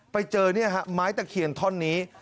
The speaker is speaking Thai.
ไปเจอไม้ตะเคียนท่อนี้